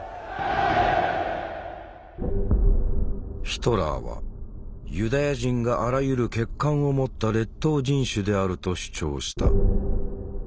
ヒトラーはユダヤ人があらゆる欠陥を持った劣等人種であると主張した。